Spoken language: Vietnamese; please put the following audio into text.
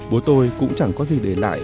bố tôi cũng chẳng có gì để lại